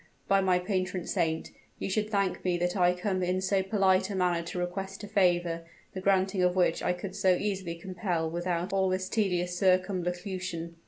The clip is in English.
By my patron saint! you should thank me that I come in so polite a manner to request a favor, the granting of which I could so easily compel without all this tedious circumlocution."